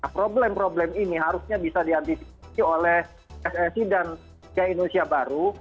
nah problem problem ini harusnya bisa diantisipasi oleh pssi dan indonesia baru